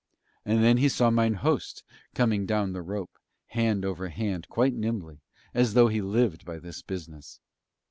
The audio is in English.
And then he saw mine host coming down the rope, hand over hand quite nimbly, as though he lived by this business.